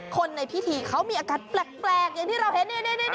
คนในพิธีเขามีอาการแปลกอย่างที่เราเห็น